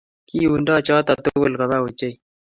Kiundoi choto tugul koba ochei